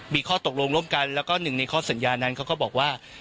มีข้อตกลงร่วมกันแล้วก็หนึ่งในข้อสัญญานั้นเขาก็บอกว่า